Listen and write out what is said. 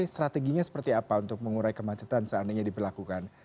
strateginya seperti apa untuk mengurai kemacetan seandainya diberlakukan